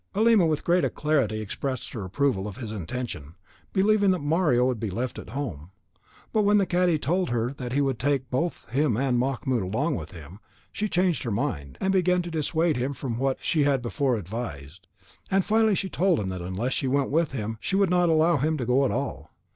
Halima, with great alacrity, expressed her approval of his intention, believing that Mario would be left at home; but when the cadi told her that he would take both him and Mahmoud along with him, she changed her mind, and began to dissuade him from what she had before advised; and finally, she told him that unless she went with him she would not allow him to go at all.